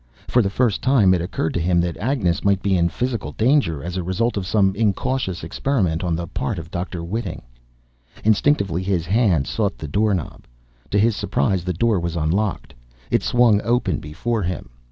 For the first time, it occurred to him that Agnes might be in physical danger, as a result of some incautious experiment on the part of Dr. Whiting. Instinctively, his hand sought the door knob. To his surprise, the door was unlocked. It swung open before him.